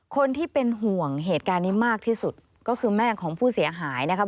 คนที่เป็นห่วงเหตุการณ์นี้มากที่สุดก็คือแม่ของผู้เสียหายนะครับ